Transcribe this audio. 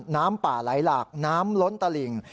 น้ำป่าไหลหลากน้ำล้นตลิ่ง